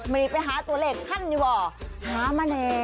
มานี้ไปหาตัวเล็กขั้นอะ